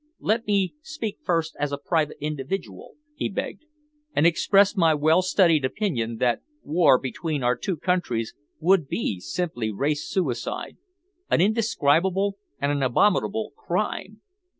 "Let me speak first as a private individual," he begged, "and express my well studied opinion that war between our two countries would be simply race suicide, an indescribable and an abominable crime.